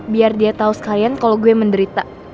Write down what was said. biar dia tau sekalian kalo gue menderita